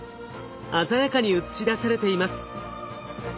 鮮やかに映し出されています。